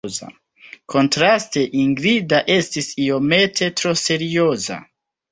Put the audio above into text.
Kontraste, Ingrida estis iomete tro serioza.